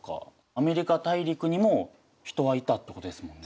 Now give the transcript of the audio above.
アメリカ大陸にも人はいたってことですもんね。